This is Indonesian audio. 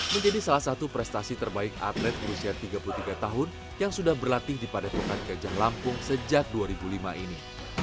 menjadi salah satu prestasi terbaik atlet berusia tiga puluh tiga tahun yang sudah berlatih di padepokan kejang lampung sejak dua ribu lima ini